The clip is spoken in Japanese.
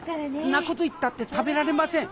んなこと言ったって食べられません。